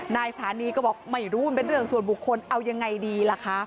นายสถานีก็บอกไม่รู้มันเป็นเรื่องส่วนบุคคลเอายังไงดีล่ะคะ